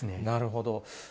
なるほど。